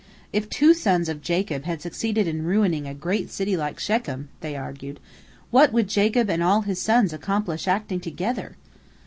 If two sons of Jacob had succeeded in ruining a great city like Shechem, they argued, what would Jacob and all his sons accomplish acting together?